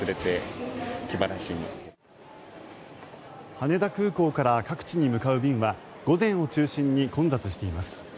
羽田空港から各地に向かう便は午前を中心に混雑しています。